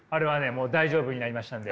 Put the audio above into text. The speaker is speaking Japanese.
もう大丈夫になりましたんで。